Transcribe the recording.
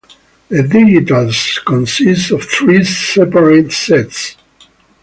The digitals consist of three separate sets.